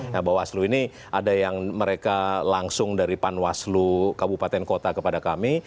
nah bawah aslo ini ada yang mereka langsung dari panwaslo kabupaten kota kepada kami